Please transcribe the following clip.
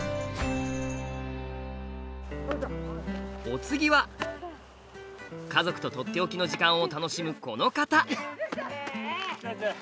お次は家族と「とっておきの時間」を楽しむこの方。